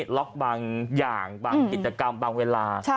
ล็อกบางอย่างบางกิจกรรมบางเวลา